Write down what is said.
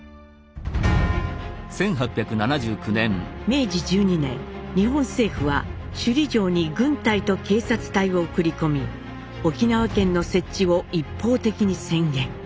明治１２年日本政府は首里城に軍隊と警察隊を送り込み沖縄県の設置を一方的に宣言。